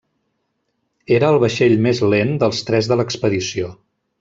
Era el vaixell més lent dels tres de l'expedició.